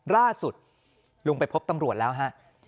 ล่าสุดลุงไปพบตำรวจแล้วฮะ